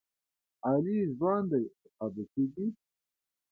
علي ځوان دی، خو قابو کېږي.